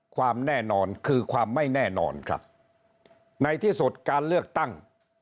ความแน่นอนคือความไม่แน่นอนครับในที่สุดการเลือกตั้ง